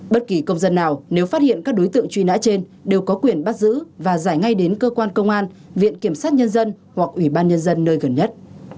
bất kỳ công dân nào nếu phát hiện các đối tượng truy nã trên đều có quyền bắt giữ và giải ngay đến cơ quan công an viện kiểm sát nhân dân hoặc ủy ban nhân dân nơi gần nhất